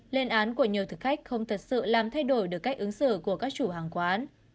lên án của nhiều thực khách không thật sự làm thay đổi được cách ứng xử của các chủ hàng quán